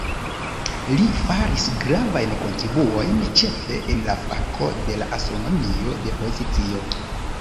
Li faris gravajn kontribuojn ĉefe en la fako de la astronomio de pozicio.